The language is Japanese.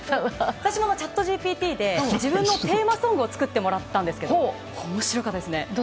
私もチャットＧＰＴで自分のテーマソングを作ってもらったんですけど面白かったですね。